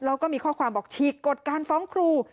แล้วก็มีข้อความบอกฉีกกฎการฟ้องครู